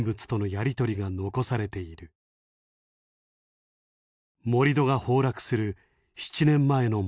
盛り土が崩落する７年前のものだ。